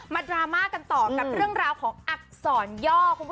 มาดราม่ากันต่อกับเรื่องราวของอักษรย่อ